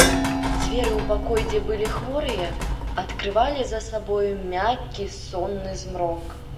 Дзверы ў пакой, дзе былі хворыя, адкрывалі за сабою мяккі сонны змрок.